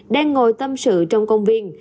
đang ngồi tâm sự trong công viên